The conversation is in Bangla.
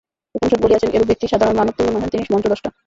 উপনিষদ বলিয়াছেন, এরূপ ব্যক্তি সাধারণ মানবতুল্য নহেন, তিনি মন্ত্রদ্রষ্টা।